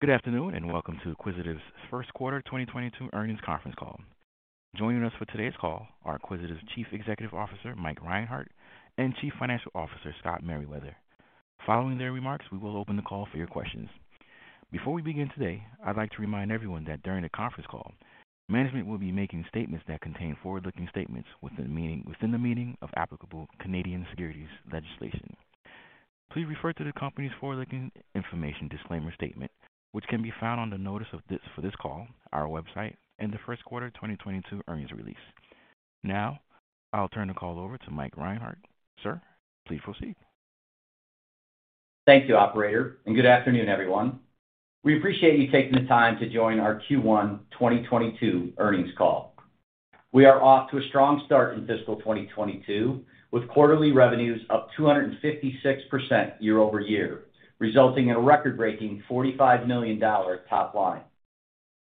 Good afternoon, and welcome to Quisitive's First Quarter 2022 Earnings Conference Call. Joining us for today's call are Quisitive's Chief Executive Officer, Mike Reinhart, and Chief Financial Officer, Scott Meriwether. Following their remarks, we will open the call for your questions. Before we begin today, I'd like to remind everyone that during the conference call, management will be making statements that contain forward-looking statements within the meaning of applicable Canadian securities legislation. Please refer to the company's forward-looking information disclaimer statement, which can be found on the notice for this call, our website in the first quarter of 2022 earnings release. Now, I'll turn the call over to Mike Reinhart. Sir, please proceed. Thank you, operator, and good afternoon, everyone. We appreciate you taking the time to join our Q1 2022 earnings call. We are off to a strong start in fiscal 2022, with quarterly revenues up 256% year-over-year, resulting in a record-breaking $45 million top line.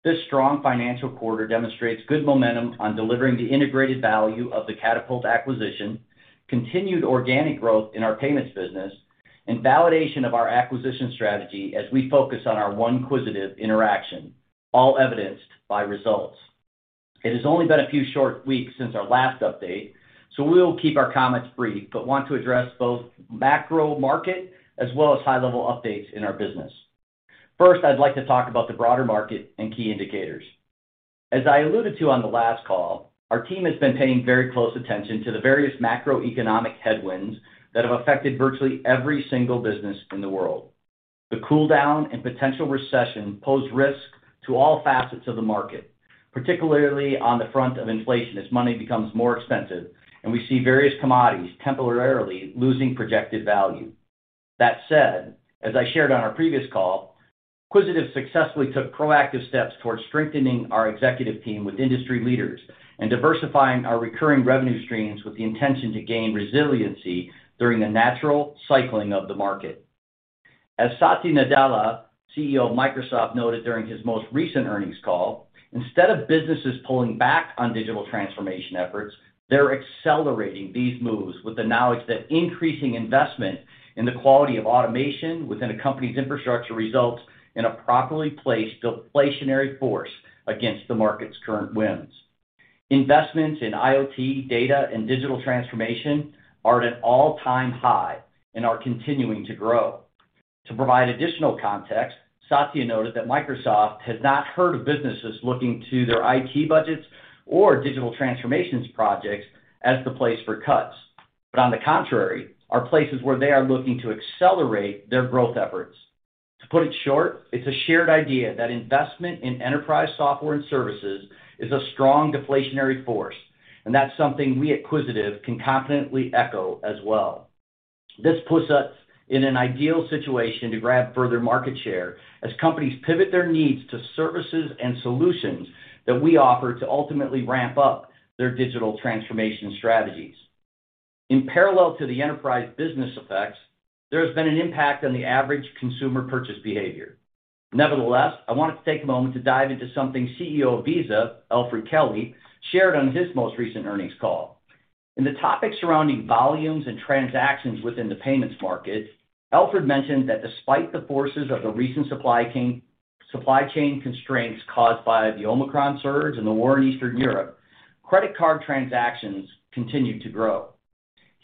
This strong financial quarter demonstrates good momentum on delivering the integrated value of the Catapult acquisition, continued organic growth in our payments business, and validation of our acquisition strategy as we focus on our One Quisitive integration, all evidenced by results. It has only been a few short weeks since our last update, so we'll keep our comments brief, but want to address both macro market as well as high-level updates in our business. First, I'd like to talk about the broader market and key indicators. As I alluded to on the last call, our team has been paying very close attention to the various macroeconomic headwinds that have affected virtually every single business in the world. The cooldown and potential recession pose risk to all facets of the market, particularly on the front of inflation as money becomes more expensive and we see various commodities temporarily losing projected value. That said, as I shared on our previous call, Quisitive successfully took proactive steps towards strengthening our executive team with industry leaders and diversifying our recurring revenue streams with the intention to gain resiliency during the natural cycling of the market. As Satya Nadella, CEO of Microsoft, noted during his most recent earnings call, instead of businesses pulling back on digital transformation efforts, they're accelerating these moves with the knowledge that increasing investment in the quality of automation within a company's infrastructure results in a properly placed deflationary force against the market's current winds. Investments in IoT, data, and digital transformation are at an all-time high and are continuing to grow. To provide additional context, Satya noted that Microsoft has not heard of businesses looking to their IT budgets or digital transformation projects as the place for cuts, but on the contrary, are places where they are looking to accelerate their growth efforts. To put it short, it's a shared idea that investment in enterprise software and services is a strong deflationary force, and that's something we at Quisitive can confidently echo as well. This puts us in an ideal situation to grab further market share as companies pivot their needs to services and solutions that we offer to ultimately ramp up their digital transformation strategies. In parallel to the enterprise business effects, there has been an impact on the average consumer purchase behavior. Nevertheless, I wanted to take a moment to dive into something CEO of Visa, Alfred Kelly, shared on his most recent earnings call. In the topic surrounding volumes and transactions within the payments market, Alfred mentioned that despite the forces of the recent supply chain constraints caused by the Omicron surge and the war in Eastern Europe, credit card transactions continued to grow.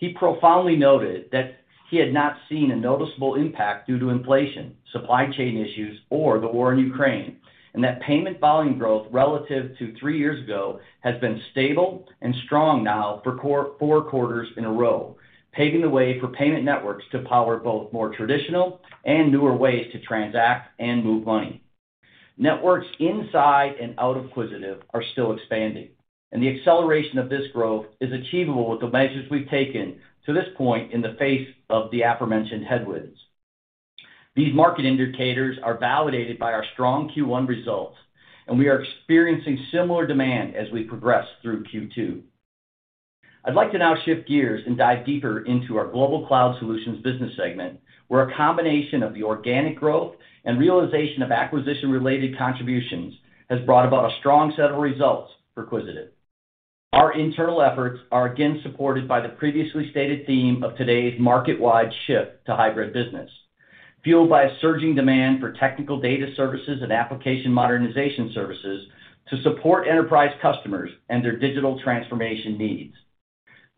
He profoundly noted that he had not seen a noticeable impact due to inflation, supply chain issues, or the war in Ukraine, and that payment volume growth relative to three years ago has been stable and strong now for four quarters in a row, paving the way for payment networks to power both more traditional and newer ways to transact and move money. Networks inside and out of Quisitive are still expanding, and the acceleration of this growth is achievable with the measures we've taken to this point in the face of the aforementioned headwinds. These market indicators are validated by our strong Q1 results, and we are experiencing similar demand as we progress through Q2. I'd like to now shift gears and dive deeper into our Global Cloud Solutions business segment, where a combination of the organic growth and realization of acquisition-related contributions has brought about a strong set of results for Quisitive. Our internal efforts are again supported by the previously stated theme of today's market-wide shift to hybrid business, fueled by a surging demand for technical data services and application modernization services to support enterprise customers and their digital transformation needs.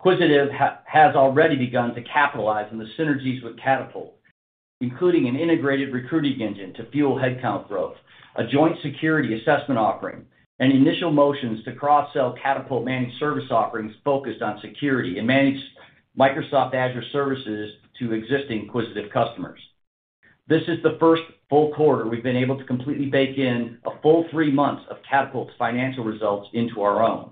Quisitive has already begun to capitalize on the synergies with Catapult, including an integrated recruiting engine to fuel headcount growth, a joint security assessment offering, and initial motions to cross-sell Catapult managed service offerings focused on security and managed Microsoft Azure services to existing Quisitive customers. This is the first full quarter we've been able to completely bake in a full three months of Catapult's financial results into our own.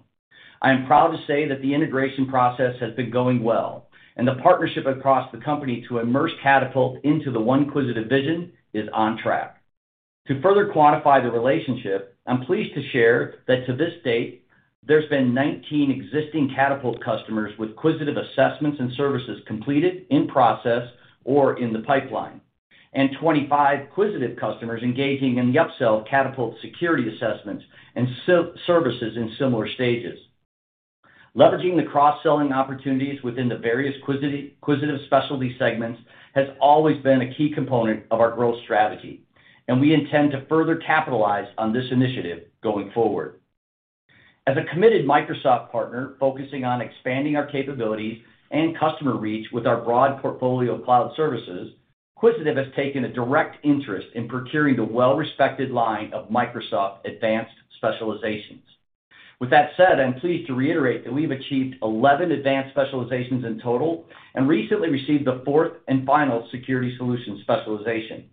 I am proud to say that the integration process has been going well, and the partnership across the company to immerse Catapult into the One Quisitive vision is on track. To further quantify the relationship, I'm pleased to share that to this date, there's been 19 existing Catapult customers with Quisitive assessments and services completed, in process, or in the pipeline, and 25 Quisitive customers engaging in the upsell of Catapult security assessments and services in similar stages. Leveraging the cross-selling opportunities within the various Quisitive specialty segments has always been a key component of our growth strategy, and we intend to further capitalize on this initiative going forward. As a committed Microsoft partner focusing on expanding our capabilities and customer reach with our broad portfolio of cloud services, Quisitive has taken a direct interest in procuring the well-respected line of Microsoft Advanced Specializations. With that said, I'm pleased to reiterate that we've achieved 11 Advanced Specializations in total and recently received the fourth and final security solution specialization.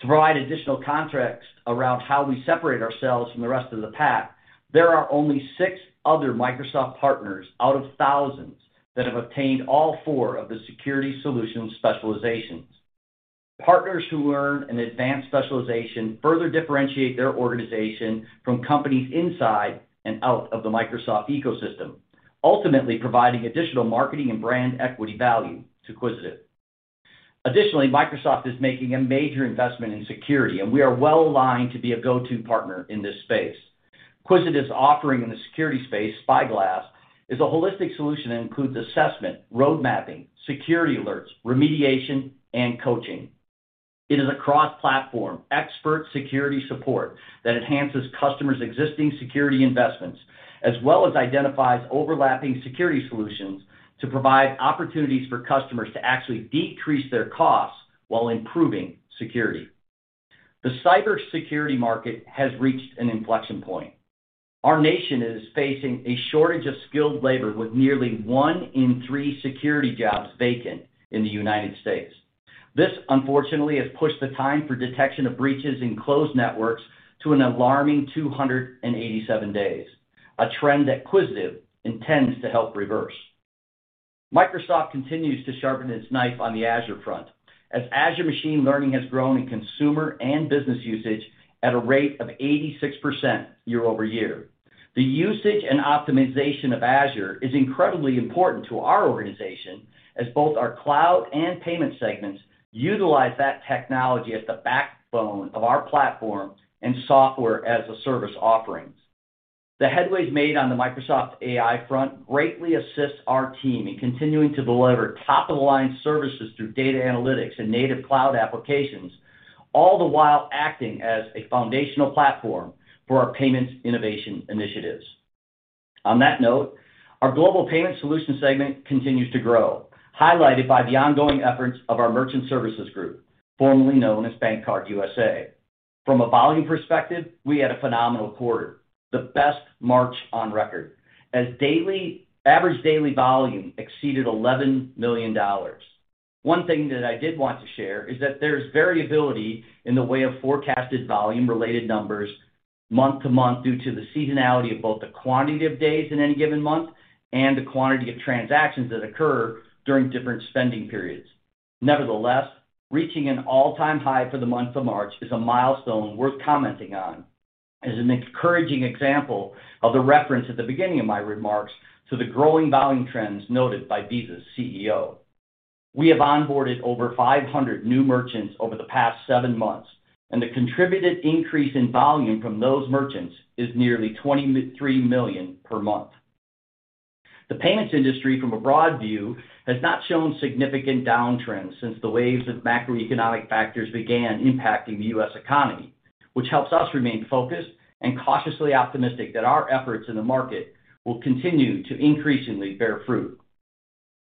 To provide additional context around how we separate ourselves from the rest of the pack, there are only six other Microsoft partners out of thousands that have obtained all four of the security solution specializations. Partners who earn an Advanced Specialization further differentiate their organization from companies inside and out of the Microsoft ecosystem, ultimately providing additional marketing and brand equity value to Quisitive. Additionally, Microsoft is making a major investment in security, and we are well-aligned to be a go-to partner in this space. Quisitive's offering in the security space, Spyglass, is a holistic solution that includes assessment, road mapping, security alerts, remediation, and coaching. It is a cross-platform expert security support that enhances customers' existing security investments, as well as identifies overlapping security solutions to provide opportunities for customers to actually decrease their costs while improving security. The cybersecurity market has reached an inflection point. Our nation is facing a shortage of skilled labor with nearly one in three security jobs vacant in the United States. This, unfortunately, has pushed the time for detection of breaches in closed networks to an alarming 287 days, a trend that Quisitive intends to help reverse. Microsoft continues to sharpen its knife on the Azure front as Azure Machine Learning has grown in consumer and business usage at a rate of 86% year-over-year. The usage and optimization of Azure is incredibly important to our organization as both our cloud and payment segments utilize that technology as the backbone of our platform and software as a service offerings. The headway made on the Microsoft AI front greatly assists our team in continuing to deliver top-of-the-line services through data analytics and native cloud applications, all the while acting as a foundational platform for our payments innovation initiatives. On that note, our global payment solution segment continues to grow, highlighted by the ongoing efforts of our merchant services group, formerly known as BankCard USA. From a volume perspective, we had a phenomenal quarter, the best March on record, as average daily volume exceeded $11 million. One thing that I did want to share is that there's variability in the way of forecasted volume-related numbers month to month due to the seasonality of both the quantity of days in any given month and the quantity of transactions that occur during different spending periods. Nevertheless, reaching an all-time high for the month of March is a milestone worth commenting on as an encouraging example of the reference at the beginning of my remarks to the growing volume trends noted by Visa's CEO. We have onboarded over 500 new merchants over the past seven months, and the contributed increase in volume from those merchants is nearly $23 million per month. The payments industry from a broad view has not shown significant downtrend since the waves of macroeconomic factors began impacting the U.S. economy, which helps us remain focused and cautiously optimistic that our efforts in the market will continue to increasingly bear fruit.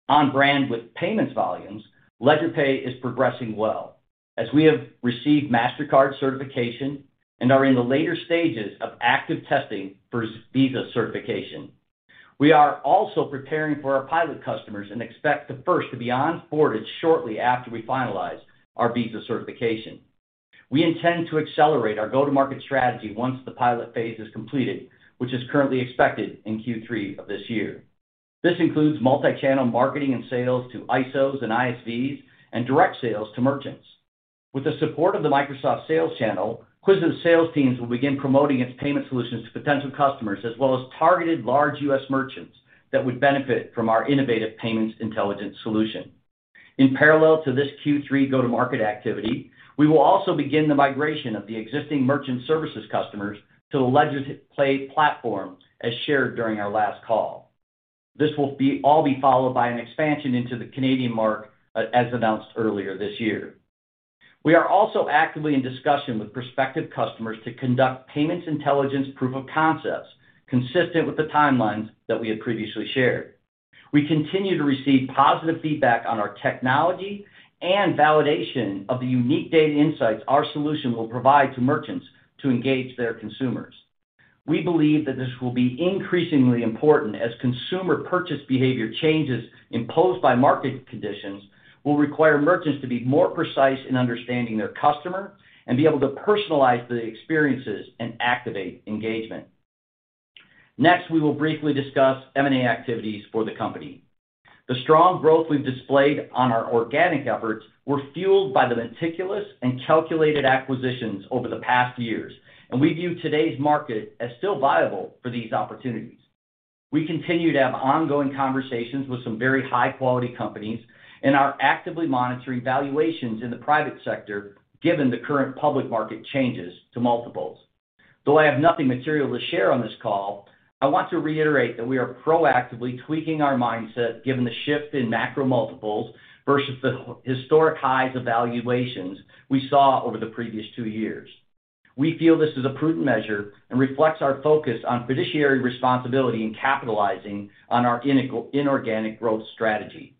In line with payment volumes, LedgerPay is progressing well as we have received Mastercard certification and are in the later stages of active testing for Visa certification. We are also preparing for our pilot customers and expect the first to be onboarded shortly after we finalize our Visa certification. We intend to accelerate our go-to-market strategy once the pilot phase is completed, which is currently expected in Q3 of this year. This includes multi-channel marketing and sales to ISOs and ISVs and direct sales to merchants. With the support of the Microsoft sales channel, Quisitive's sales teams will begin promoting its payment solutions to potential customers as well as targeted large U.S. merchants that would benefit from our innovative payment intelligence solution. In parallel to this Q3 go-to-market activity, we will also begin the migration of the existing merchant services customers to the LedgerPay platform as shared during our last call. This will all be followed by an expansion into the Canadian market as announced earlier this year. We are also actively in discussion with prospective customers to conduct payment intelligence proof of concepts consistent with the timelines that we had previously shared. We continue to receive positive feedback on our technology and validation of the unique data insights our solution will provide to merchants to engage their consumers. We believe that this will be increasingly important as consumer purchase behavior changes imposed by market conditions will require merchants to be more precise in understanding their customer and be able to personalize the experiences and activate engagement. Next, we will briefly discuss M&A activities for the company. The strong growth we've displayed on our organic efforts were fueled by the meticulous and calculated acquisitions over the past years, and we view today's market as still viable for these opportunities. We continue to have ongoing conversations with some very high-quality companies and are actively monitoring valuations in the private sector given the current public market changes to multiples. Though I have nothing material to share on this call, I want to reiterate that we are proactively tweaking our mindset, given the shift in macro multiples versus the historic highs of valuations we saw over the previous two years. We feel this is a prudent measure and reflects our focus on fiduciary responsibility and capitalizing on our inorganic growth strategy.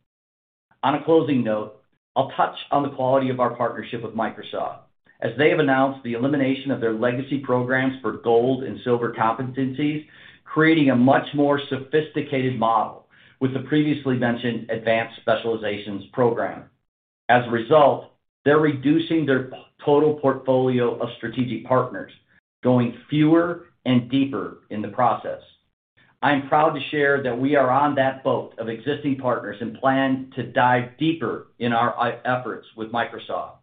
On a closing note, I'll touch on the quality of our partnership with Microsoft as they have announced the elimination of their legacy programs for Gold and Silver competencies, creating a much more sophisticated model with the previously mentioned Advanced Specializations program. As a result, they're reducing their total portfolio of strategic partners, going fewer and deeper in the process. I am proud to share that we are on that boat of existing partners, and plan to dive deeper in our efforts with Microsoft.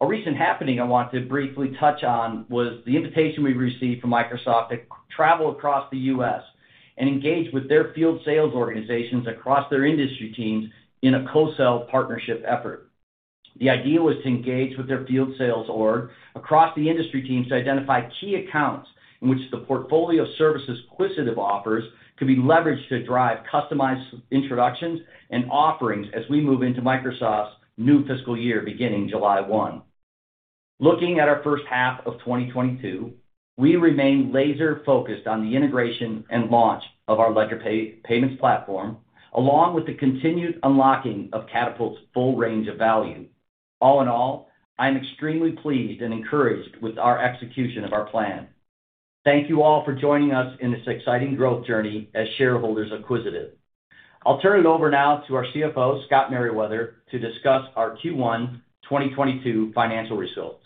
A recent happening I want to briefly touch on was the invitation we received from Microsoft to travel across the U.S. and engage with their field sales organizations across their industry teams in a co-sell partnership effort. The idea was to engage with their field sales org across the industry teams to identify key accounts in which the portfolio services Quisitive offers could be leveraged to drive customized introductions and offerings as we move into Microsoft's new fiscal year beginning July 1. Looking at our first half of 2022, we remain laser-focused on the integration and launch of our LedgerPay payments platform, along with the continued unlocking of Catapult's full range of value. All in all, I am extremely pleased and encouraged with our execution of our plan. Thank you all for joining us in this exciting growth journey as shareholders of Quisitive. I'll turn it over now to our CFO, Scott Meriwether, to discuss our Q1 2022 financial results.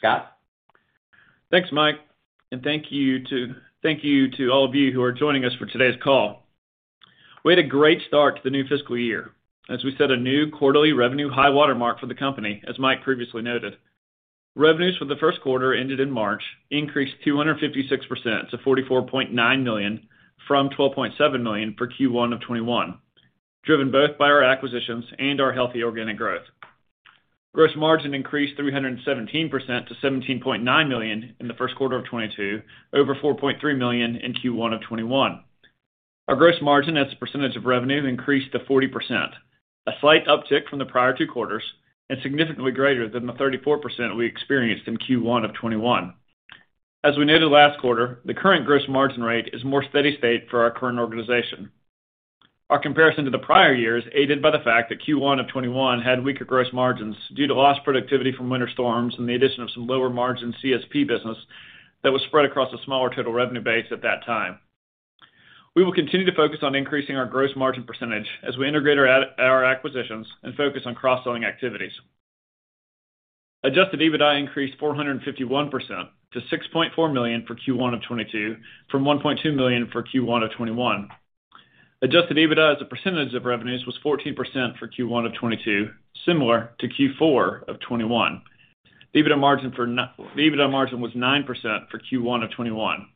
Scott? Thanks, Mike, and thank you to all of you who are joining us for today's call. We had a great start to the new fiscal year as we set a new quarterly revenue high watermark for the company as Mike previously noted. Revenues for the first quarter ended in March increased 256% to $44.9 million from $12.7 million for Q1 of 2021, driven both by our acquisitions and our healthy organic growth. Gross margin increased 317% to $17.9 million in the first quarter of 2022 over $4.3 million in Q1 of 2021. Our gross margin as a percentage of revenue increased to 40%, a slight uptick from the prior two quarters, and significantly greater than the 34% we experienced in Q1 of 2021. As we noted last quarter, the current gross margin rate is more steady-state for our current organization. Our comparison to the prior years, aided by the fact that Q1 of 2021 had weaker gross margins due to lost productivity from winter storms and the addition of some lower-margin CSP business that was spread across a smaller total revenue base at that time. We will continue to focus on increasing our gross margin percentage as we integrate our acquisitions and focus on cross-selling activities. Adjusted EBITDA increased 451% to $6.4 million for Q1 of 2022 from $1.2 million for Q1 of 2021. Adjusted EBITDA as a percentage of revenues was 14% for Q1 of 2022, similar to Q4 of 2021. The EBITDA margin was 9% for Q1 of 2021.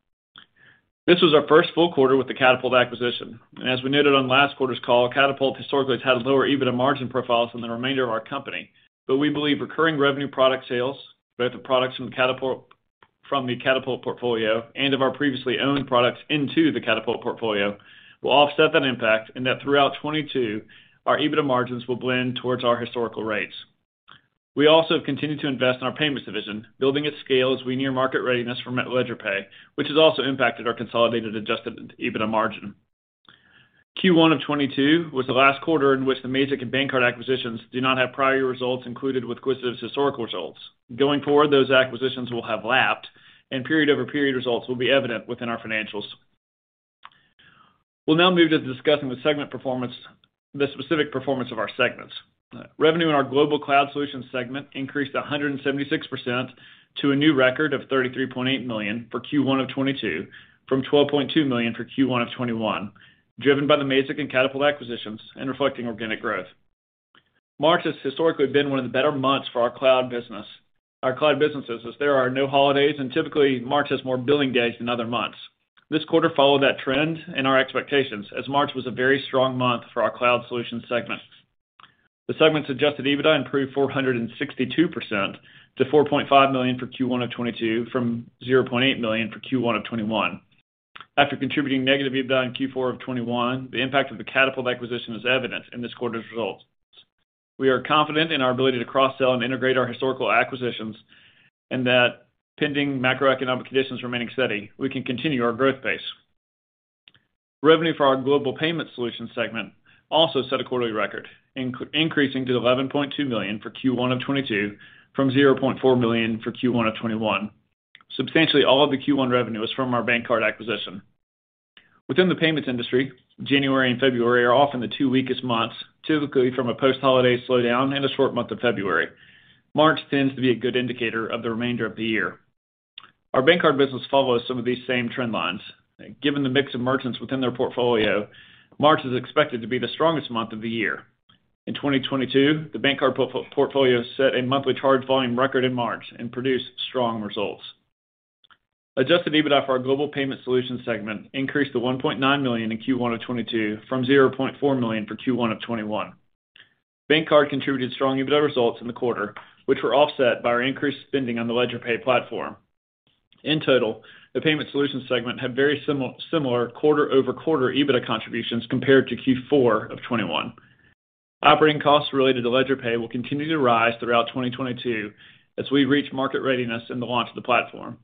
This was our first full quarter with the Catapult acquisition. As we noted on last quarter's call, Catapult historically has had lower EBITDA margin profiles than the remainder of our company, but we believe recurring revenue product sales, both the products from Catapult, from the Catapult portfolio and of our previously owned products into the Catapult portfolio, will offset that impact, and that throughout 2022, our EBITDA margins will blend towards our historical rates. We also have continued to invest in our payments division, building its scale as we near market readiness for LedgerPay, which has also impacted our consolidated adjusted EBITDA margin. Q1 of 2022 was the last quarter in which the Mazik and BankCard acquisitions do not have prior results included with Quisitive's historical results. Going forward, those acquisitions will have lapped, and period-over-period results will be evident within our financials. We'll now move to discussing the segment performance, the specific performance of our segments. Revenue in our Global Cloud Solutions segment increased 176% to a new record of $33.8 million for Q1 of 2022 from $12.2 million for Q1 of 2021, driven by the Mazik and Catapult acquisitions and reflecting organic growth. March has historically been one of the better months for our cloud business, our cloud businesses, as there are no holidays, and typically, March has more billing days than other months. This quarter followed that trend and our expectations, as March was a very strong month for our Cloud Solutions segment. The segment's adjusted EBITDA improved 462% to $4.5 million for Q1 of 2022 from $0.8 million for Q1 of 2021. After contributing negative EBITDA in Q4 of 2021, the impact of the Catapult acquisition is evident in this quarter's results. We are confident in our ability to cross-sell and integrate our historical acquisitions, and that pending macroeconomic conditions remaining steady, we can continue our growth pace. Revenue for our Global Payment Solutions segment also set a quarterly record, increasing to $11.2 million for Q1 of 2022 from $0.4 million for Q1 of 2021. Substantially all of the Q1 revenue is from our BankCard acquisition. Within the payments industry, January and February are often the two weakest months, typically from a post-holiday slowdown and a short month of February. March tends to be a good indicator of the remainder of the year. Our BankCard business follows some of these same trend lines. Given the mix of merchants within their portfolio, March is expected to be the strongest month of the year. In 2022, the BankCard portfolio set a monthly charge volume record in March and produced strong results. Adjusted EBITDA for our Global Payment Solutions segment increased to $1.9 million in Q1 of 2022 from $0.4 million for Q1 of 2021. BankCard contributed strong EBITDA results in the quarter, which were offset by our increased spending on the LedgerPay platform. In total, the Payment Solutions segment had very similar quarter-over-quarter EBITDA contributions compared to Q4 of 2021. Operating costs related to LedgerPay will continue to rise throughout 2022 as we reach market readiness in the launch of the platform.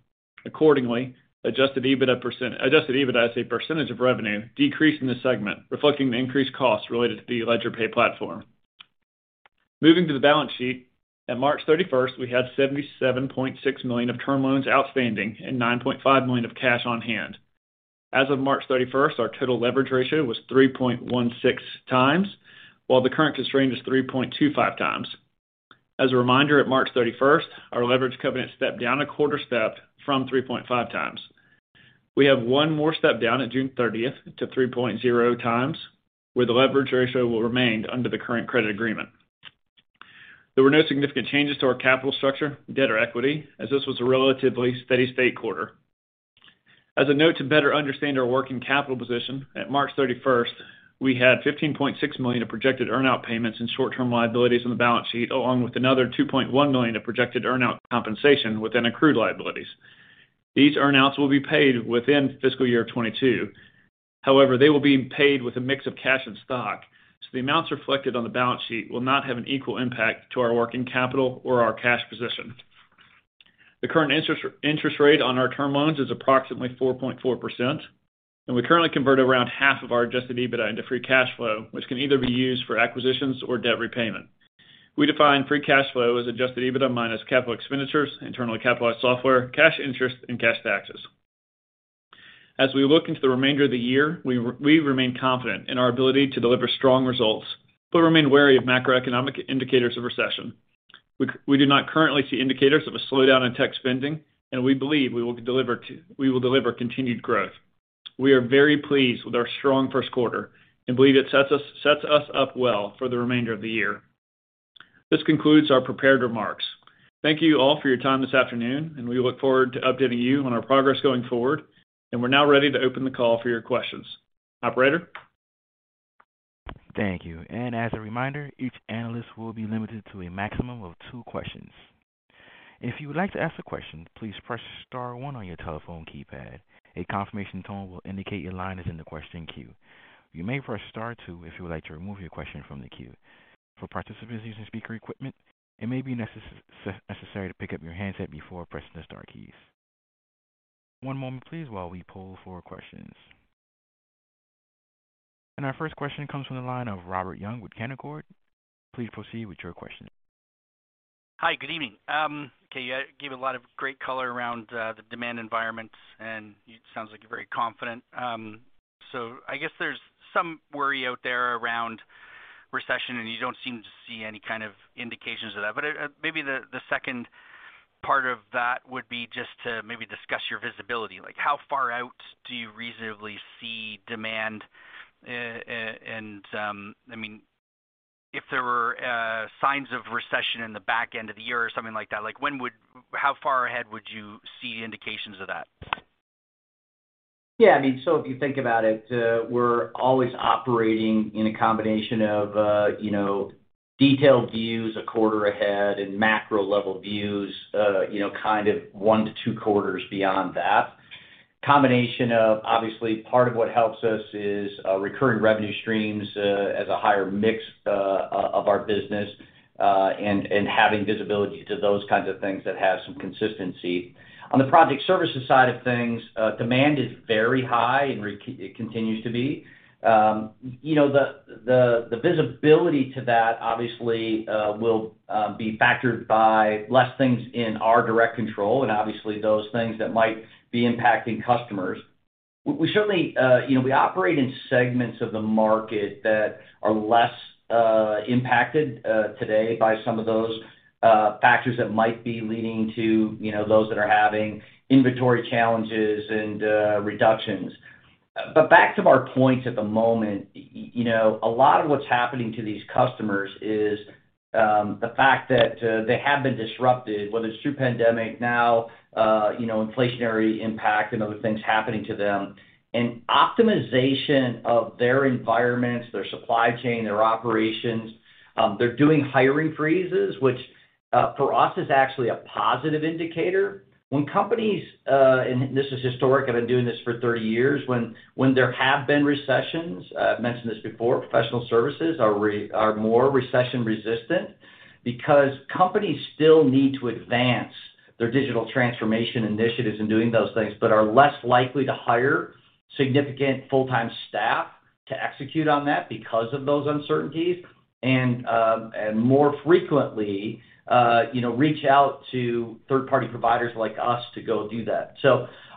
Accordingly, adjusted EBITDA as a percentage of revenue decreased in this segment, reflecting the increased costs related to the LedgerPay platform. Moving to the balance sheet, at March 31st, we had $77.6 million of term loans outstanding and $9.5 million of cash on hand. As of March 31st, our total leverage ratio was 3.16x, while the current constraint is 3.25x. As a reminder, at March 31st, our leverage covenant stepped down a quarter step from 3.5x. We have one more step down at June 30th to 3.0x, where the leverage ratio will remain under the current credit agreement. There were no significant changes to our capital structure, debt or equity, as this was a relatively steady-state quarter. As a note to better understand our working capital position, at March 31st, we had $15.6 million of projected earn out payments and short-term liabilities on the balance sheet, along with another $2.1 million of projected earn-out compensation within accrued liabilities. These earn-outs will be paid within fiscal year 2022. However, they will be paid with a mix of cash and stock, so the amounts reflected on the balance sheet will not have an equal impact to our working capital or our cash position. The current interest rate on our term loans is approximately 4.4%, and we currently convert around half of our adjusted EBITDA into free cash flow, which can either be used for acquisitions or debt repayment. We define free cash flow as adjusted EBITDA minus capital expenditures, internally capitalized software, cash interest, and cash taxes. As we look into the remainder of the year, we remain confident in our ability to deliver strong results, but remain wary of macroeconomic indicators of recession. We do not currently see indicators of a slowdown in tech spending, and we believe we will deliver continued growth. We are very pleased with our strong first quarter and believe it sets us up well for the remainder of the year. This concludes our prepared remarks. Thank you all for your time this afternoon, and we look forward to updating you on our progress going forward. We're now ready to open the call for your questions. Operator? Thank you. As a reminder, each analyst will be limited to a maximum of two questions. If you would like to ask a question, please press star one on your telephone keypad. A confirmation tone will indicate your line is in the question queue. You may press star two if you would like to remove your question from the queue. For participants using speaker equipment, it may be necessary to pick up your handset before pressing the star keys. One moment please while we poll for questions. Our first question comes from the line of Robert Young with Canaccord Genuity. Please proceed with your question. Hi. Good evening. Okay, you gave a lot of great color around the demand environment, and you sound like you're very confident. I guess there's some worry out there around recession, and you don't seem to see any kind of indications of that. Maybe the second part of that would be just to maybe discuss your visibility. Like, how far out do you reasonably see demand? I mean, if there were signs of recession in the back end of the year or something like that, like how far ahead would you see indications of that? Yeah, I mean, if you think about it, we're always operating in a combination of, you know, detailed views a quarter ahead and macro-level views, you know, kind of one to two quarters beyond that. Combination of obviously part of what helps us is, recurring revenue streams, as a higher mix of our business, and having visibility to those kinds of things that have some consistency. On the project services side of things, demand is very high and it continues to be. You know, the visibility to that obviously will be factored by less things in our direct control and obviously those things that might be impacting customers. We certainly, you know, we operate in segments of the market that are less impacted today by some of those factors that might be leading to, you know, those that are having inventory challenges and reductions. Back to our points at the moment, you know, a lot of what's happening to these customers is the fact that they have been disrupted, whether it's through pandemic now, you know, inflationary impact and other things happening to them. Optimization of their environments, their supply chain, their operations, they're doing hiring freezes, which for us is actually a positive indicator. When companies, and this is historic, I've been doing this for 30 years. When there have been recessions, I've mentioned this before, professional services are more recession-resistant because companies still need to advance their digital transformation initiatives in doing those things, but are less likely to hire significant full-time staff to execute on that because of those uncertainties, and more frequently, you know, reach out to third-party providers like us to go do that.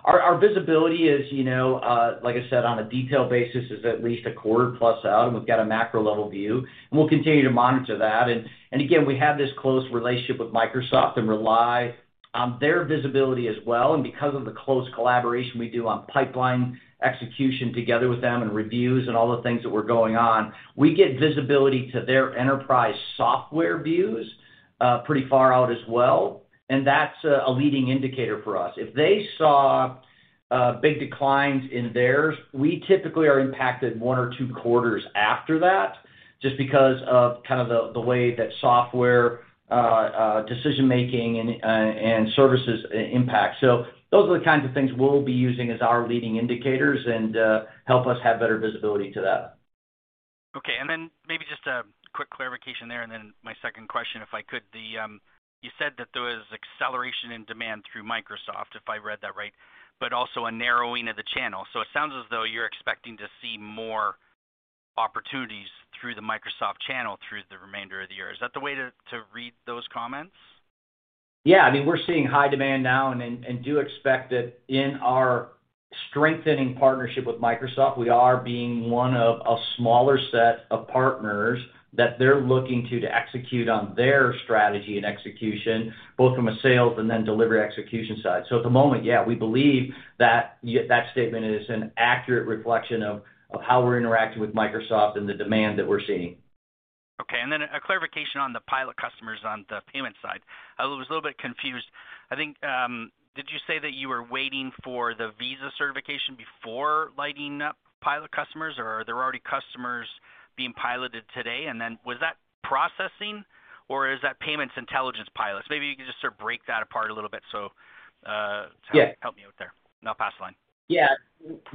Our visibility is, you know, like I said, on a detailed basis, at least a quarter plus out, and we've got a macro level view, and we'll continue to monitor that. Again, we have this close relationship with Microsoft and rely on their visibility as well. Because of the close collaboration we do on pipeline execution together with them and reviews and all the things that were going on, we get visibility to their enterprise software views pretty far out as well, and that's a leading indicator for us. If they saw big declines in theirs, we typically are impacted one or two quarters after that, just because of kind of the way that software decision-making and services impact. Those are the kinds of things we'll be using as our leading indicators and help us have better visibility to that. Okay. Maybe just a quick clarification there, and then my second question, if I could. You said that there was acceleration in demand through Microsoft, if I read that right, but also a narrowing of the channel. It sounds as though you're expecting to see more opportunities through the Microsoft channel through the remainder of the year. Is that the way to read those comments? Yeah. I mean, we're seeing high demand now and do expect that in our strengthening partnership with Microsoft, we are being one of a smaller set of partners that they're looking to execute on their strategy and execution, both from a sales and then delivery execution side. At the moment, yeah, we believe that that statement is an accurate reflection of how we're interacting with Microsoft and the demand that we're seeing. Okay. A clarification on the pilot customers on the payment side. I was a little bit confused. I think, did you say that you were waiting for the Visa certification before lighting up pilot customers, or are there already customers being piloted today? Was that processing or is that payments intelligence pilots? Maybe you could just sort of break that apart a little bit. Yeah. Help me out there, and I'll pass the line. Yeah.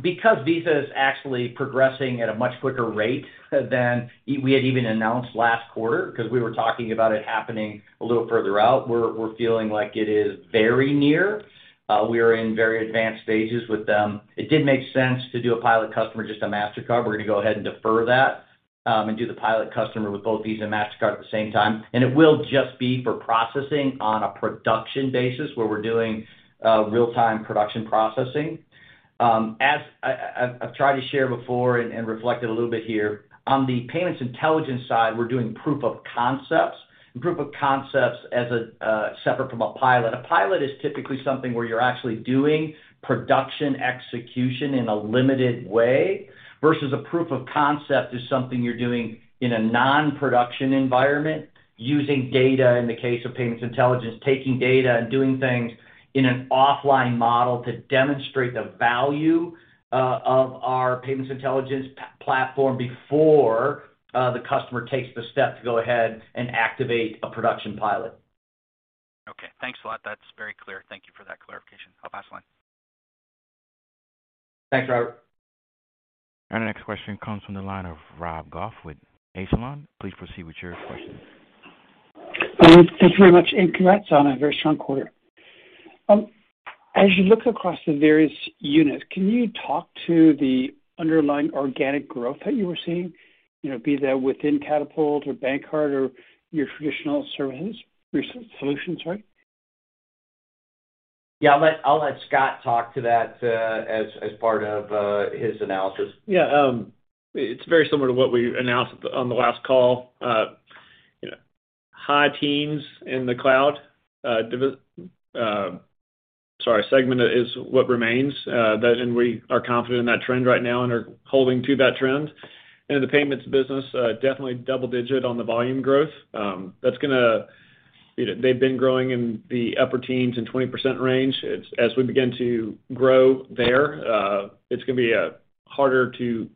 Because Visa is actually progressing at a much quicker rate than we had even announced last quarter, 'cause we were talking about it happening a little further out, we're feeling like it is very near. We are in very advanced stages with them. It did make sense to do a pilot customer just on Mastercard. We're gonna go ahead and defer that, and do the pilot customer with both Visa and Mastercard at the same time. It will just be for processing on a production basis where we're doing real-time production processing. As I've tried to share before and reflect it a little bit here, on the payments intelligence side, we're doing proof of concepts. Proof of concepts as a separate from a pilot. A pilot is typically something where you're actually doing production execution in a limited way, versus a proof of concept is something you're doing in a non-production environment using data, in the case of payments intelligence, taking data and doing things in an offline model to demonstrate the value of our payments intelligence platform before the customer takes the step to go ahead and activate a production pilot. Okay, thanks a lot. That's very clear. Thank you for that clarification. I'll pass the line. Thanks, Robert. Our next question comes from the line of Rob Goff with Echelon Wealth Partners. Please proceed with your question. Thank you very much, and congrats on a very strong quarter. As you look across the various units, can you talk to the underlying organic growth that you were seeing? You know, be that within Catapult or BankCard or your traditional solutions. Yeah. I'll have Scott talk to that, as part of his analysis. Yeah. It's very similar to what we announced on the last call. High teens in the cloud segment is what remains. That and we are confident in that trend right now and are holding to that trend. In the payments business, definitely double-digit on the volume growth. They've been growing in the upper teens and 20% range. As we begin to grow there, it's gonna be harder to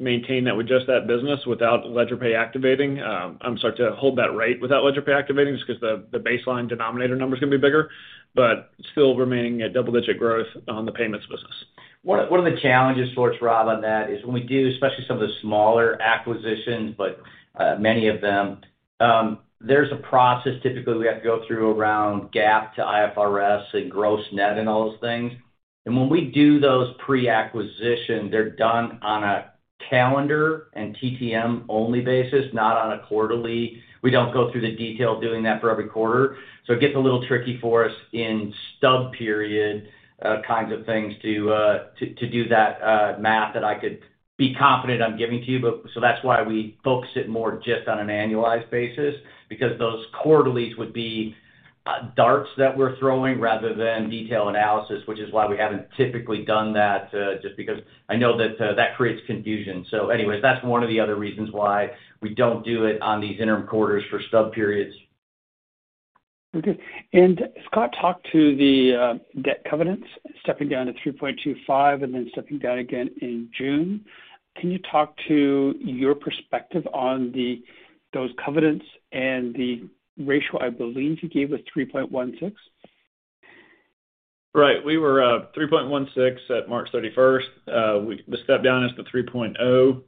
maintain that with just that business without LedgerPay activating. I'm sorry, to hold that rate without LedgerPay activating, just 'cause the baseline denominator number is gonna be bigger, but still remaining at double-digit growth on the payments business. One of the challenges for us, Rob, on that is when we do, especially some of the smaller acquisitions, but many of them, there's a process typically we have to go through around GAAP to IFRS and gross net and all those things. When we do those pre-acquisition, they're done on a calendar and TTM only basis, not on a quarterly. We don't go through the detail of doing that for every quarter. It gets a little tricky for us in stub period kinds of things to do that math that I could be confident I'm giving to you. that's why we focus it more just on an annualized basis, because those quarterlies would be, darts that we're throwing rather than detailed analysis, which is why we haven't typically done that, just because I know that creates confusion. Anyways, that's one of the other reasons why we don't do it on these interim quarters for stub periods. Okay. Scott talked about the debt covenants stepping down to 3.25 and then stepping down again in June. Can you talk to your perspective on those covenants and the ratio I believe you gave was 3.16? We were 3.16 at March 31. The step down is to 3.0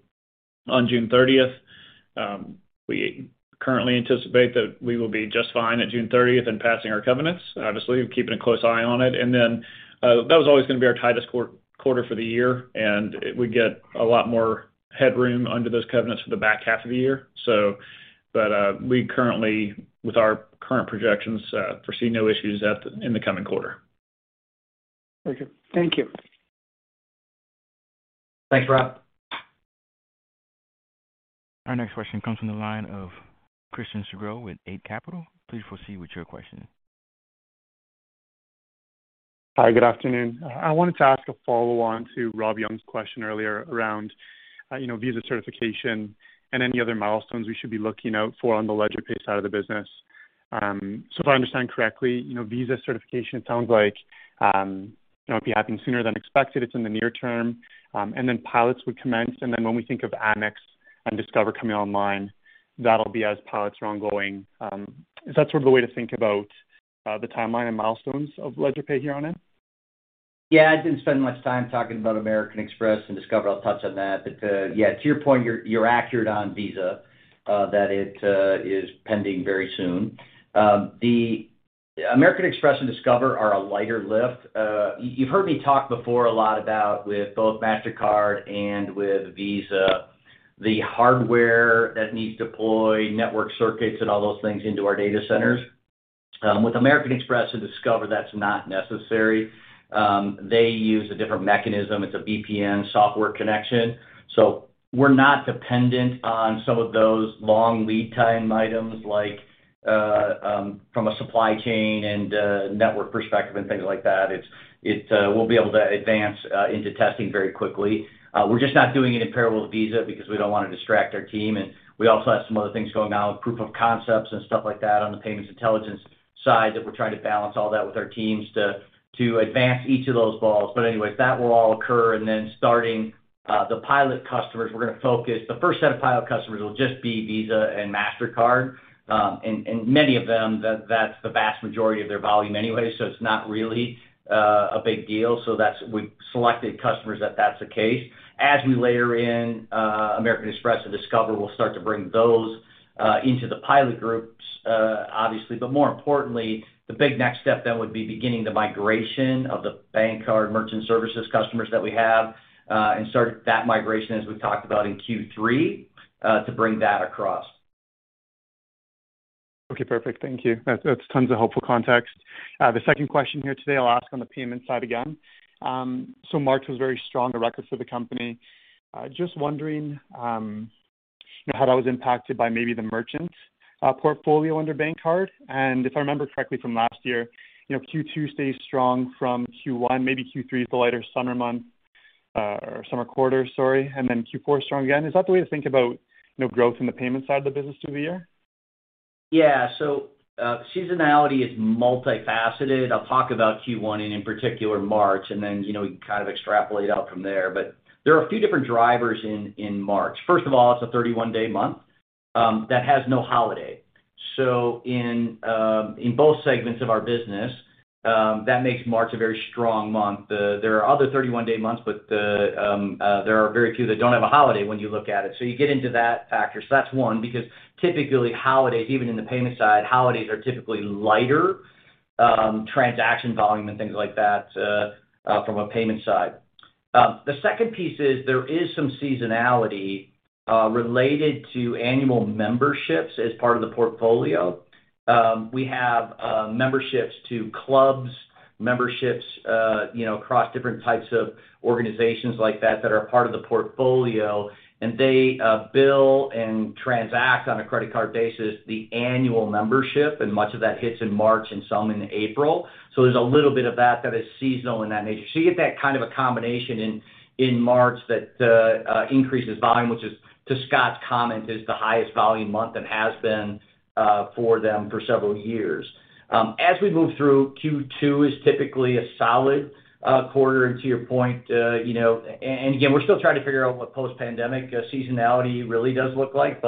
on June 30th. We currently anticipate that we will be just fine at June 30 in passing our covenants. Obviously, we're keeping a close eye on it. That was always gonna be our tightest quarter for the year, and we get a lot more headroom under those covenants for the back half of the year. We currently, with our current projections, foresee no issues in the coming quarter. Okay. Thank you. Thanks, Rob. Our next question comes from the line of Christian Sgro with Eight Capital. Please proceed with your question. Hi, good afternoon. I wanted to ask a follow-on to Robert Young's question earlier around, you know, Visa certification and any other milestones we should be looking out for on the LedgerPay side of the business. If I understand correctly, you know, Visa certification, it sounds like, you know, it'd be happening sooner than expected. It's in the near term. And then pilots would commence, and then when we think of Amex and Discover coming online, that'll be as pilots are ongoing. Is that sort of the way to think about the timeline and milestones of LedgerPay here on in? Yeah, I didn't spend much time talking about American Express and Discover. I'll touch on that. Yeah, to your point, you're accurate on Visa that it is pending very soon. The American Express and Discover are a lighter lift. You've heard me talk before a lot about with both Mastercard and with Visa, the hardware that needs to deploy network circuits and all those things into our data centers. With American Express and Discover, that's not necessary. They use a different mechanism. It's a VPN software connection. So we're not dependent on some of those long lead time items like from a supply chain and a network perspective and things like that. We'll be able to advance into testing very quickly. We're just not doing it in parallel with Visa because we don't wanna distract our team, and we also have some other things going on with proof of concepts and stuff like that on the payments intelligence side, that we're trying to balance all that with our teams to advance each of those balls. Anyways, that will all occur. Then starting the pilot customers, The first set of pilot customers will just be Visa and Mastercard, and many of them, that's the vast majority of their volume anyway, so it's not really a big deal. That's we selected customers that that's the case. As we layer in American Express and Discover, we'll start to bring those into the pilot groups, obviously. More importantly, the big next step then would be beginning the migration of the BankCard merchant services customers that we have, and start that migration, as we talked about in Q3, to bring that across. Okay, perfect. Thank you. That's tons of helpful context. The second question here today I'll ask on the payment side again. So March was very strong, a record for the company. Just wondering, you know, how that was impacted by maybe the merchant portfolio under BankCard. If I remember correctly from last year, you know, Q2 stays strong from Q1, maybe Q3 is the lighter summer month or summer quarter, sorry, and then Q4 is strong again. Is that the way to think about, you know, growth in the payment side of the business through the year? Yeah. Seasonality is multifaceted. I'll talk about Q1 and in particular March, and then, you know, you can kind of extrapolate out from there. There are a few different drivers in March. First of all, it's a 31-day month that has no holiday. In both segments of our business, that makes March a very strong month. There are other 31-day months, but there are very few that don't have a holiday when you look at it. You get into that factor. That's one, because typically holidays, even in the payment side, holidays are typically lighter transaction volume and things like that from a payment side. The second piece is there is some seasonality related to annual memberships as part of the portfolio. We have memberships to clubs, you know, across different types of organizations like that that are a part of the portfolio, and they bill and transact on a credit card basis the annual membership, and much of that hits in March and some in April. There's a little bit of that that is seasonal in that nature. You get that kind of a combination in March that increases volume, which, to Scott's comment, is the highest volume month and has been for them for several years. As we move through Q2 is typically a solid quarter. To your point, you know, and again, we're still trying to figure out what post-pandemic seasonality really does look like.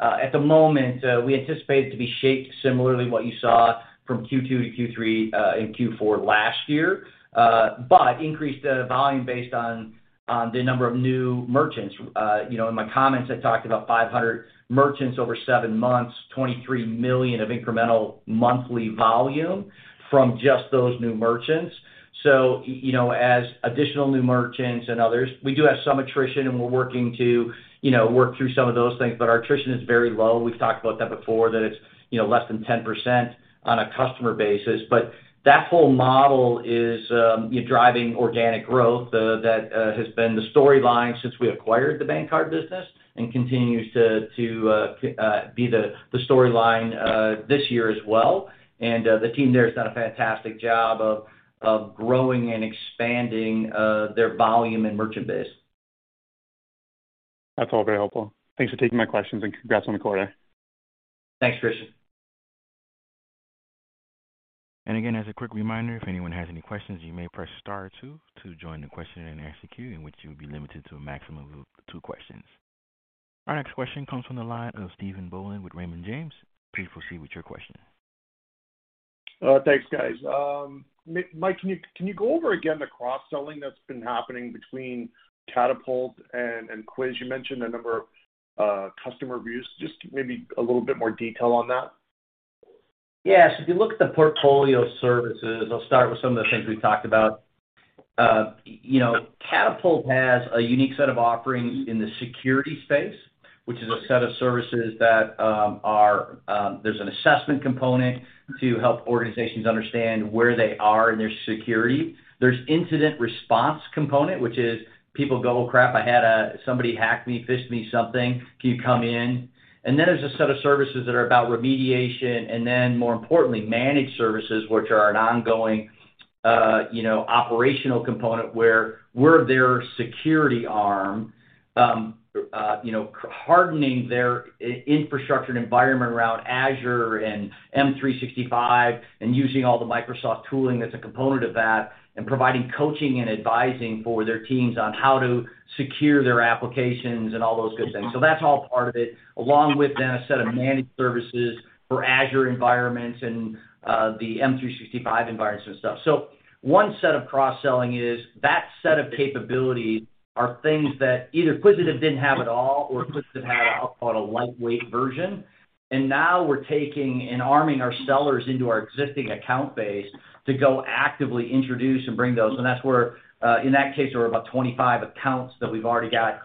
At the moment, we anticipate it to be shaped similarly what you saw from Q2 to Q3 and Q4 last year, but increased volume based on the number of new merchants. You know, in my comments, I talked about 500 merchants over seven months, $23 million of incremental monthly volume from just those new merchants. You know, as additional new merchants and others, we do have some attrition and we're working to you know, work through some of those things, but our attrition is very low. We've talked about that before, that it's you know, less than 10% on a customer basis. That whole model is driving organic growth. That has been the storyline since we acquired the BankCard business and continues to be the storyline this year as well. The team there has done a fantastic job of growing and expanding their volume and merchant base. That's all very helpful. Thanks for taking my questions, and congrats on the quarter. Thanks, Christian. Again, as a quick reminder, if anyone has any questions, you may press star two to join the question and answer queue in which you'll be limited to a maximum of two questions. Our next question comes from the line of Stephen Boland with Raymond James. Please proceed with your question. Thanks, guys. Mike, can you go over again the cross-selling that's been happening between Catapult and Quisitive? You mentioned a number of customer reviews. Just maybe a little bit more detail on that. Yeah. If you look at the portfolio services, I'll start with some of the things we've talked about. You know, Catapult has a unique set of offerings in the security space, which is a set of services that are, there's an assessment component to help organizations understand where they are in their security. There's incident response component, which is people go, Oh, crap, I had somebody hack me, phish me something. Can you come in? Then there's a set of services that are about remediation, and then more importantly, managed services, which are an ongoing, you know, operational component where we're their security arm, you know, hardening their infrastructure and environment around Azure and M365 and using all the Microsoft tooling that's a component of that, and providing coaching and advising for their teams on how to secure their applications and all those good things. That's all part of it, along with then a set of managed services for Azure environments and the M365 environments and stuff. One set of cross-selling is that set of capabilities are things that either Quisitive didn't have at all, or Quisitive had out on a lightweight version. Now we're taking and arming our sellers into our existing account base to go actively introduce and bring those. That's where, in that case, there were about 25 accounts that we've already got,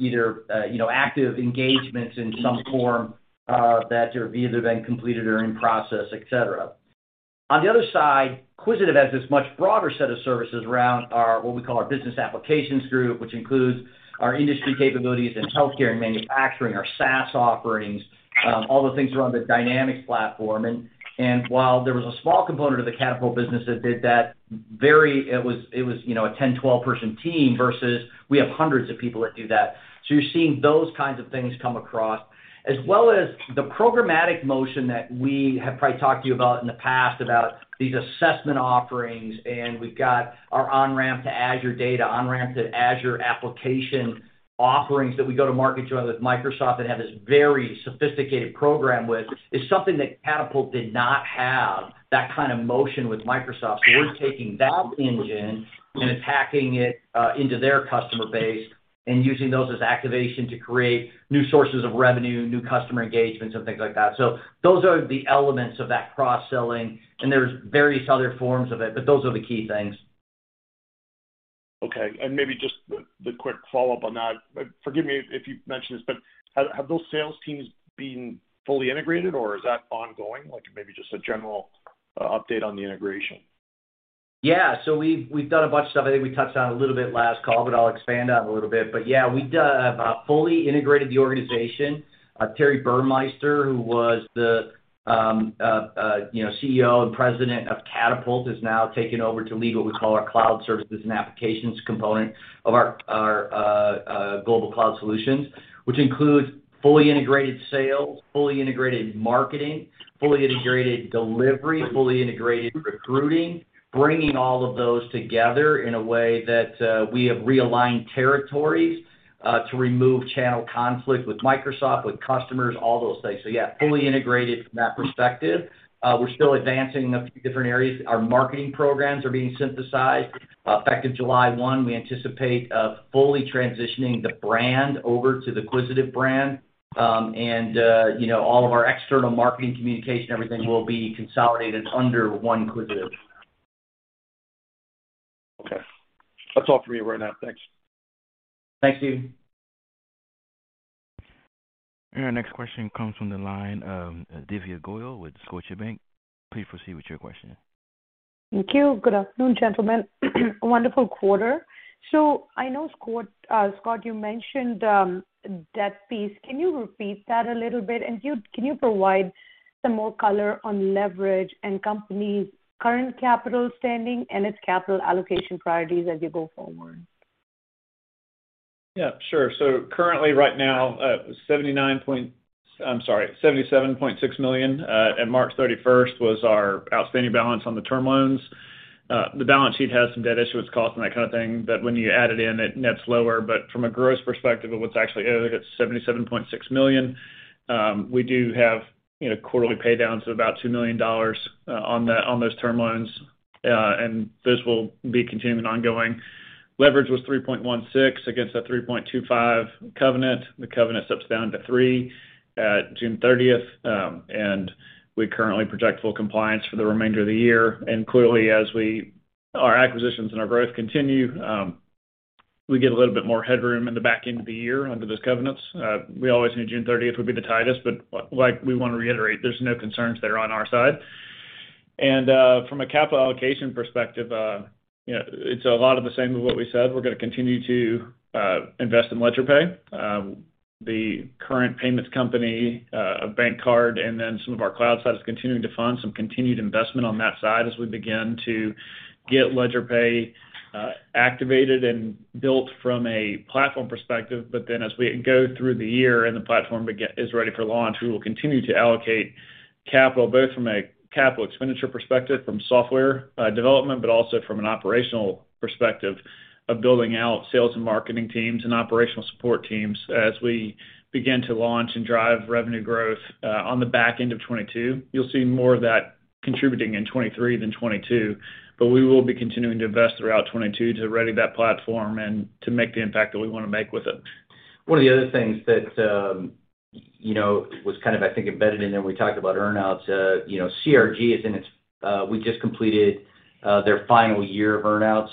you know, active engagements in some form, that have either been completed or in process, et cetera. On the other side, Quisitive has this much broader set of services around our, what we call our business applications group, which includes our industry capabilities in healthcare and manufacturing, our SaaS offerings, all the things around the Dynamics platform. While there was a small component of the Catapult business that did that, it was, you know, a 10, 12 person team versus we have hundreds of people that do that. You're seeing those kinds of things come across, as well as the programmatic motion that we have probably talked to you about in the past about these assessment offerings, and we've got our On-Ramp to Azure data, On-Ramp to Azure application offerings that we go to market joint with Microsoft and have this very sophisticated program with, is something that Catapult did not have that kind of motion with Microsoft. We're taking that engine and attacking it into their customer base and using those as activation to create new sources of revenue, new customer engagements, and things like that. Those are the elements of that cross-selling, and there's various other forms of it, but those are the key things. Okay. Maybe just the quick follow-up on that. Forgive me if you've mentioned this, but have those sales teams been fully integrated, or is that ongoing? Like maybe just a general update on the integration. Yeah. We've done a bunch of stuff. I think we touched on a little bit last call, I'll expand on it a little bit. Yeah, we've fully integrated the organization. Terri Burmeister, who was the CEO and President of Catapult, has now taken over to lead what we call our cloud services and applications component of our global cloud solutions, which includes fully integrated sales, fully integrated marketing, fully integrated delivery, fully integrated recruiting, bringing all of those together in a way that we have realigned territories to remove channel conflict with Microsoft, with customers, all those things. Yeah, fully integrated from that perspective. We're still advancing a few different areas. Our marketing programs are being synthesized. Effective July 1, we anticipate fully transitioning the brand over to the Quisitive brand. You know, all of our external marketing communication, everything will be consolidated under one Quisitive. Okay. That's all for me right now. Thanks. Thanks, Stephen. Our next question comes from the line of Divya Goyal with Scotiabank. Please proceed with your question. Thank you. Good afternoon, gentlemen. Wonderful quarter. I know Scott, you mentioned debt fees. Can you repeat that a little bit? You, can you provide some more color on leverage and company's current capital standing and its capital allocation priorities as you go forward? Yeah, sure. Currently right now, $77.6 million at March 31st was our outstanding balance on the term loans. The balance sheet has some debt issuance cost and that kind of thing, but when you add it in, it nets lower. From a gross perspective of what's actually out there, it's $77.6 million. We do have, you know, quarterly pay downs of about $2 million on those term loans. This will be continuing ongoing. Leverage was 3.16 against a 3.25 covenant. The covenant steps down to three at June 30th. We currently project full compliance for the remainder of the year. Clearly, as our acquisitions and our growth continue, we get a little bit more headroom in the back end of the year under those covenants. We always knew June thirtieth would be the tightest, but like we want to reiterate, there's no concerns there on our side. From a capital allocation perspective, you know, it's a lot of the same of what we said. We're gonna continue to invest in LedgerPay, the current payments company, BankCard, and then some of our cloud side is continuing to fund some continued investment on that side as we begin to get LedgerPay activated and built from a platform perspective. As we go through the year and the platform is ready for launch, we will continue to allocate capital, both from a capital expenditure perspective from software development, but also from an operational perspective of building out sales and marketing teams and operational support teams as we begin to launch and drive revenue growth on the back end of 2022. You'll see more of that contributing in 2023 than 2022, but we will be continuing to invest throughout 2022 to ready that platform and to make the impact that we wanna make with it. One of the other things that, you know, was kind of I think embedded in there when we talked about earn-outs, you know, CRG is in its, we just completed their final year of earn-out.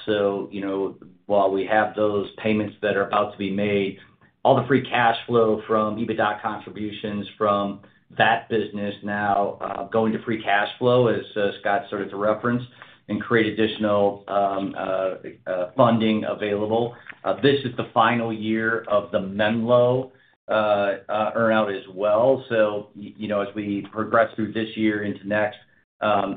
While we have those payments that are about to be made, all the free cash flow from EBITDA contributions from that business now going to free cash flow, as Scott started to reference, and create additional funding available. This is the final year of the Menlo earn-out as well. You know, as we progress through this year into next,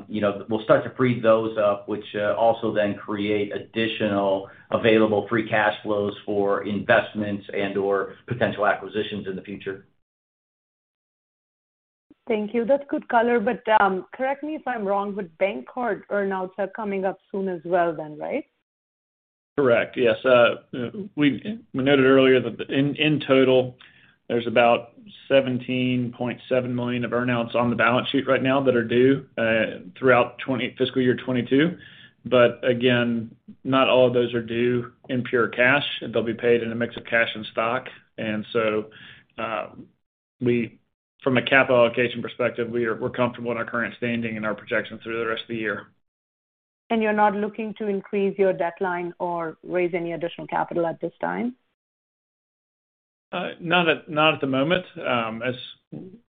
you know, we'll start to free those up, which also then create additional available free cash flows for investments and/or potential acquisitions in the future. Thank you. That's good color. Correct me if I'm wrong, but BankCard earn-outs are coming up soon as well then, right? Correct. Yes. We noted earlier that in total there's about $17.7 million of earn-outs on the balance sheet right now that are due throughout fiscal year 2022. Again, not all of those are due in pure cash. They'll be paid in a mix of cash and stock. From a capital allocation perspective, we're comfortable in our current standing and our projections through the rest of the year. You're not looking to increase your debt line or raise any additional capital at this time? Not at the moment. As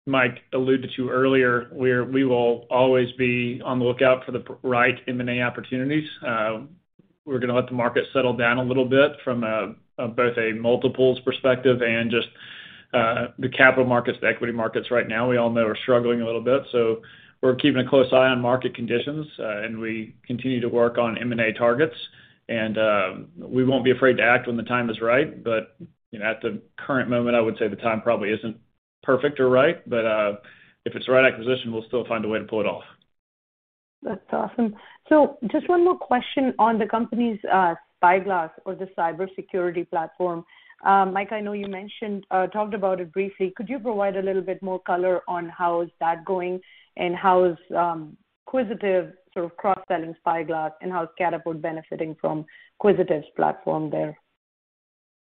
Mike alluded to earlier, we will always be on the lookout for the right M&A opportunities. We're gonna let the market settle down a little bit from both a multiples perspective and just the capital markets, the equity markets right now we all know are struggling a little bit. We're keeping a close eye on market conditions, and we continue to work on M&A targets. We won't be afraid to act when the time is right. You know, at the current moment, I would say the time probably isn't perfect or right. If it's the right acquisition, we'll still find a way to pull it off. That's awesome. Just one more question on the company's Spyglass or the cybersecurity platform. Mike, I know you talked about it briefly. Could you provide a little bit more color on how is that going, and how is Quisitive sort of cross-selling Spyglass and how is Catapult benefiting from Quisitive's platform there?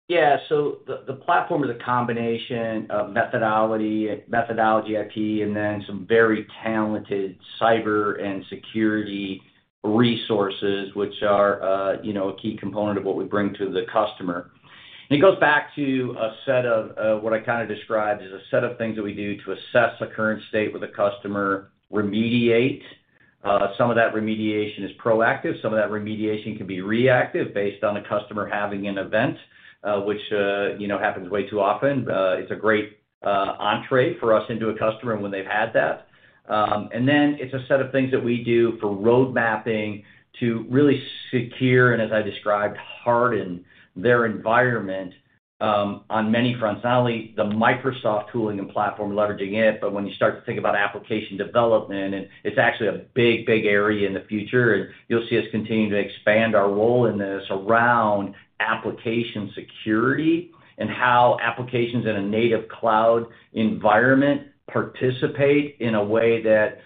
Yeah. The platform is a combination of methodology IP, and then some very talented cyber and security resources, which are, you know, a key component of what we bring to the customer. It goes back to a set of what I kind of described as a set of things that we do to assess a current state with a customer, remediate. Some of that remediation is proactive, some of that remediation can be reactive based on a customer having an event, which, you know, happens way too often. It's a great entrée for us into a customer when they've had that. Then it's a set of things that we do for road mapping to really secure, and as I described, harden their environment, on many fronts. Not only the Microsoft tooling and platform leveraging it, but when you start to think about application development, and it's actually a big area in the future. You'll see us continuing to expand our role in this around application security and how applications in a native cloud environment participate in a way that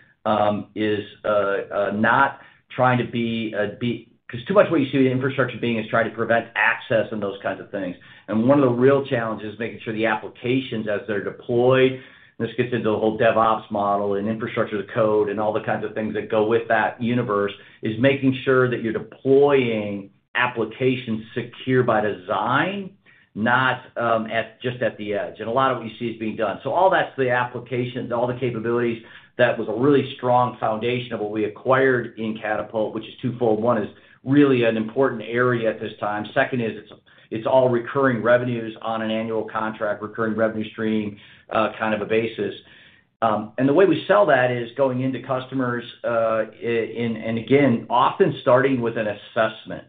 is not trying to be. Because too much of what you see with infrastructure security is trying to prevent access and those kinds of things. One of the real challenges is making sure the applications as they're deployed, and this gets into the whole DevOps model and infrastructure as code and all the kinds of things that go with that universe, is making sure that you're deploying applications secure by design, not just at the edge. A lot of what you see is being done. All that's the applications, all the capabilities, that was a really strong foundation of what we acquired in Catapult, which is twofold. One is really an important area at this time. Second is it's all recurring revenues on an annual contract, recurring revenue stream, kind of a basis. The way we sell that is going into customers, and again, often starting with an assessment.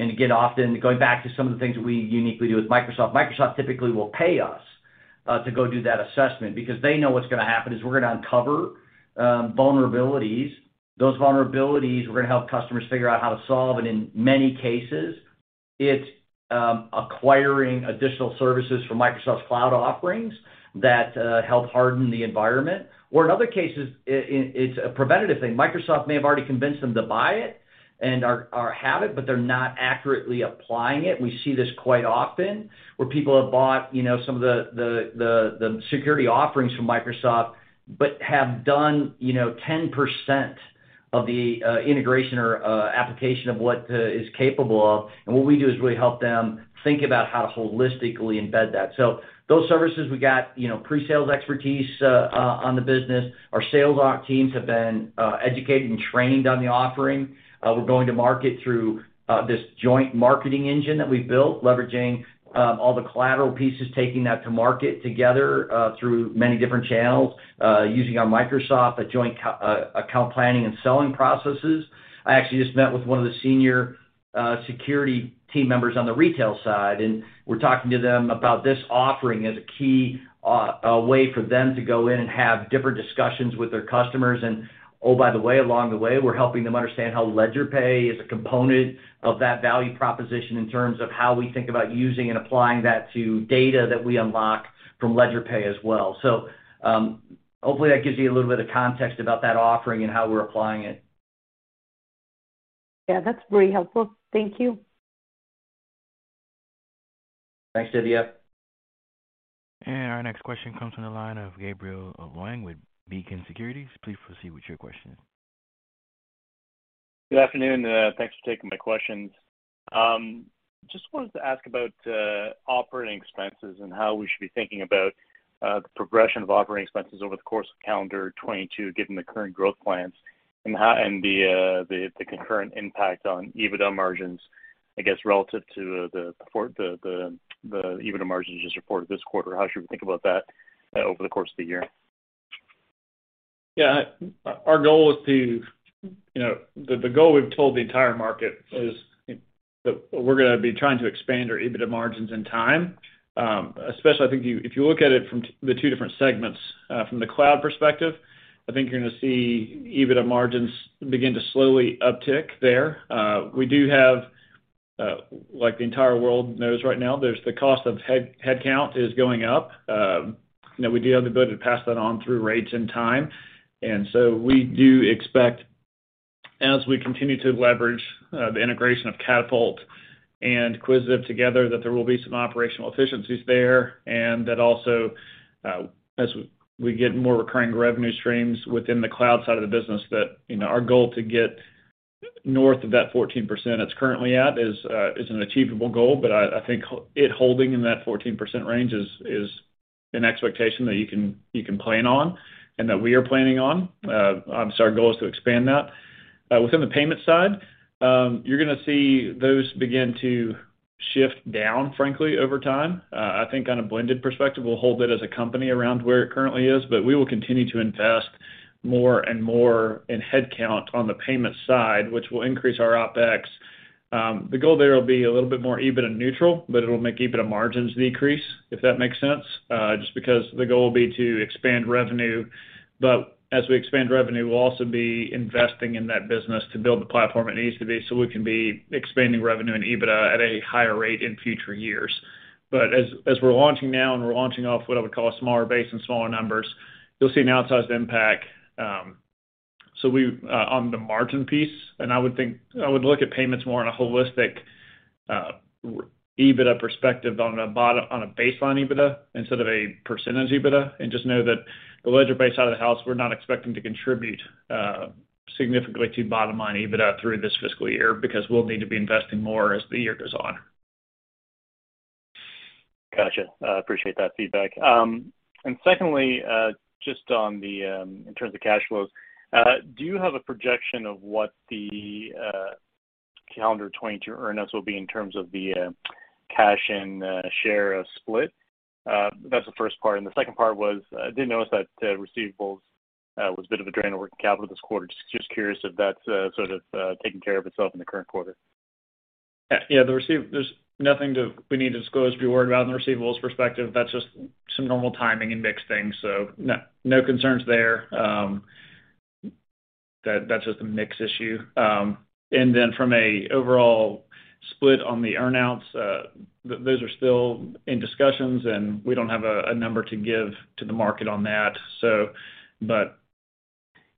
Again, often going back to some of the things we uniquely do with Microsoft typically will pay us to go do that assessment because they know what's gonna happen is we're gonna uncover vulnerabilities. Those vulnerabilities, we're gonna help customers figure out how to solve. In many cases, it's acquiring additional services from Microsoft's cloud offerings that help harden the environment. In other cases it's a preventative thing. Microsoft may have already convinced them to buy it and have it, but they're not accurately applying it. We see this quite often where people have bought some of the security offerings from Microsoft, but have done 10% of the integration or application of what it is capable of. What we do is really help them think about how to holistically embed that. Those services, we got pre-sales expertise on the business. Our sales op teams have been educated and trained on the offering. We're going to market through this joint marketing engine that we've built, leveraging all the collateral pieces, taking that to market together through many different channels using our Microsoft joint account planning and selling processes. I actually just met with one of the senior security team members on the retail side, and we're talking to them about this offering as a key way for them to go in and have different discussions with their customers. Oh, by the way, along the way, we're helping them understand how LedgerPay is a component of that value proposition in terms of how we think about using and applying that to data that we unlock from LedgerPay as well. Hopefully, that gives you a little bit of context about that offering and how we're applying it. Yeah, that's very helpful. Thank you. Thanks, Divya. Our next question comes from the line of Gabriel Leung with Beacon Securities. Please proceed with your question. Good afternoon. Thanks for taking my questions. Just wanted to ask about operating expenses and how we should be thinking about the progression of operating expenses over the course of calendar 2022, given the current growth plans and the concurrent impact on EBITDA margins. I guess, relative to the EBITDA margins just reported this quarter, how should we think about that over the course of the year? Our goal is to, you know, the goal we've told the entire market is that we're gonna be trying to expand our EBITDA margins in time, especially I think if you look at it from the two different segments. From the cloud perspective, I think you're gonna see EBITDA margins begin to slowly uptick there. We do have, like the entire world knows right now, there's the cost of headcount is going up. You know, we do have the ability to pass that on through rates and time. We do expect, as we continue to leverage the integration of Catapult and Quisitive together, that there will be some operational efficiencies there and that also, as we get more recurring revenue streams within the cloud side of the business that, you know, our goal to get north of that 14% it's currently at is an achievable goal. I think it holding in that 14% range is an expectation that you can plan on and that we are planning on. Obviously, our goal is to expand that. Within the payment side, you're gonna see those begin to shift down, frankly, over time. I think on a blended perspective, we'll hold it as a company around where it currently is, but we will continue to invest more and more in headcount on the payment side, which will increase our OpEx. The goal there will be a little bit more EBITDA neutral, but it'll make EBITDA margins decrease, if that makes sense. Just because the goal will be to expand revenue. As we expand revenue, we'll also be investing in that business to build the platform it needs to be so we can be expanding revenue and EBITDA at a higher rate in future years. As we're launching now and we're launching off what I would call a smaller base and smaller numbers, you'll see an outsized impact on the margin piece, and I would think. I would look at payments more on a holistic EBITDA perspective on a baseline EBITDA instead of a percentage EBITDA. Just know that the ledger-based side of the house, we're not expecting to contribute significantly to bottom line EBITDA through this fiscal year because we'll need to be investing more as the year goes on. Gotcha. I appreciate that feedback. Secondly, just on the, in terms of cash flows, do you have a projection of what the calendar 2022 earnouts will be in terms of the cash and share split? That's the first part. The second part was, I did notice that receivables was a bit of a drain on working capital this quarter. Just curious if that's sort of taken care of itself in the current quarter. Yeah. There's nothing we need to disclose or be worried about in the receivables perspective. That's just some normal timing and mixed things, so no concerns there. That's just a mix issue. From an overall split on the earn-outs, those are still in discussions, and we don't have a number to give to the market on that, so but.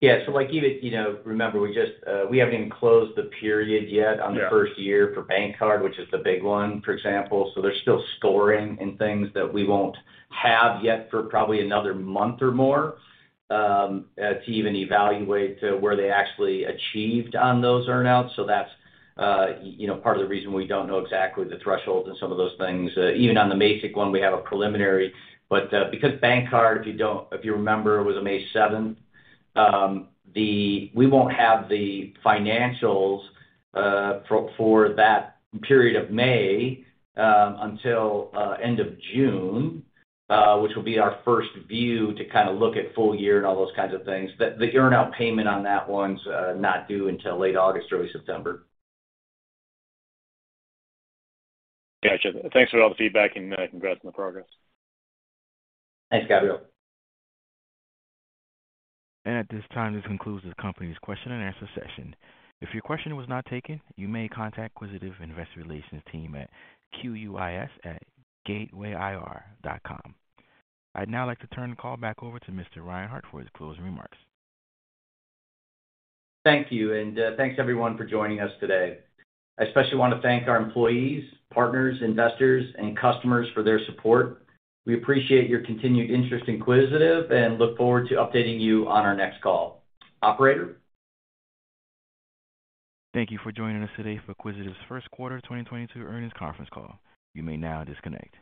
Yeah. Like even, you know, remember, we haven't even closed the period yet. Yeah. On the first year for BankCard, which is the big one, for example. They're still scoring in things that we won't have yet for probably another month or more, to even evaluate where they actually achieved on those earn-outs. That's, you know, part of the reason we don't know exactly the thresholds and some of those things. Even on the Mazik one, we have a preliminary. Because BankCard, if you remember, was on May seventh, we won't have the financials, for that period of May, until end of June, which will be our first view to kinda look at full year and all those kinds of things. The earn-out payment on that one's not due until late August, early September. Gotcha. Thanks for all the feedback and congrats on the progress. Thanks, Gabriel. At this time, this concludes the company's question and answer session. If your question was not taken, you may contact Quisitive Investor Relations team at QUIS@gatewayir.com. I'd now like to turn the call back over to Mr. Reinhart for his closing remarks. Thank you, and thanks everyone for joining us today. I especially wanna thank our employees, partners, investors, and customers for their support. We appreciate your continued interest in Quisitive and look forward to updating you on our next call. Operator? Thank you for joining us today for Quisitive's first quarter 2022 earnings conference call. You may now disconnect.